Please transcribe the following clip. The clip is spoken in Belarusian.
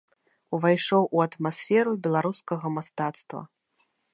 Увайшоў у атмасферу беларускага мастацтва.